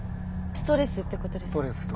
ストレスってことですか？